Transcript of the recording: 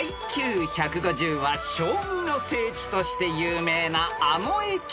［ＩＱ１５０は将棋の聖地として有名なあの駅］